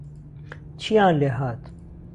چییان لێهات